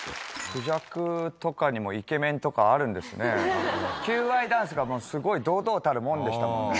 クジャクとかにもイケメンと求愛ダンスがすごい堂々たるものでしたもんね。